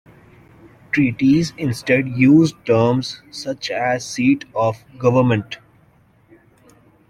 Treaties instead used terms such as seat of government.